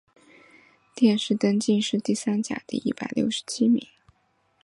殿试登进士第三甲第一百六十七名。